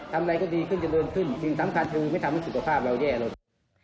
ทำอะไรก็ดีขึ้นเจริญขึ้นสิ่งสำคัญคือไม่ทำให้สุขภาพเราแย่ลง